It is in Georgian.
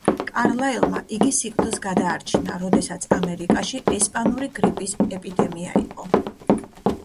კარლაილმა იგი სიკვდილს გადაარჩინა, როდესაც ამერიკაში ესპანური გრიპის ეპიდემია იყო.